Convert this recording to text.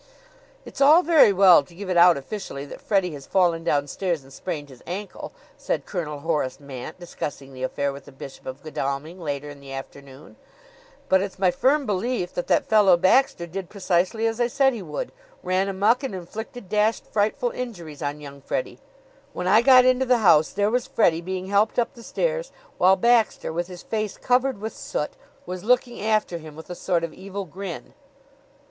"It's all very well to give it out officially that Freddie has fallen downstairs and sprained his ankle," said Colonel Horace Mant, discussing the affair with the Bishop of Godalming later in the afternoon; "but it's my firm belief that that fellow Baxter did precisely as I said he would ran amuck and inflicted dashed frightful injuries on young Freddie. When I got into the house there was Freddie being helped up the stairs, while Baxter, with his face covered with soot, was looking after him with a sort of evil grin.